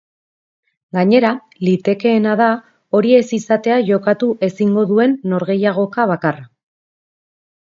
Gainera, litekeena da hori ez izatea jokatu ezingo duen norgehiagoka bakarra.